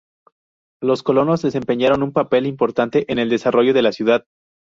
Los colonos desempeñaron un papel importante en el desarrollo de la ciudad.